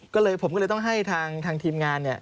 ก็เลยผมก็เลยต้องให้ทางทีมงานเนี่ย